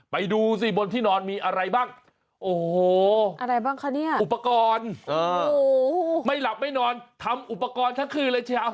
ไปดูสิบนที่นอนมีอะไรบ้างโอ้โหอะไรบ้างคะเนี่ยอุปกรณ์ไม่หลับไม่นอนทำอุปกรณ์ทั้งคืนเลยเชียว